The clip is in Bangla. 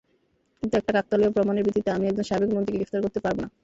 কিন্তু একটা কাকতালীয় প্রমাণের ভিত্তিতে আমি একজন সাবেক মন্ত্রীকে গ্রেফতার করতে পারবো না।